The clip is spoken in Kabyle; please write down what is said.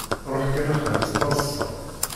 Ruḥ kan axir s taḍsa.